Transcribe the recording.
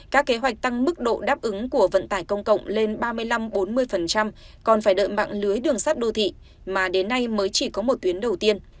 các kế hoạch tăng mức độ đáp ứng của vận tải công cộng lên ba mươi năm bốn mươi còn phải đợi mạng lưới đường sắt đô thị mà đến nay mới chỉ có một tuyến đầu tiên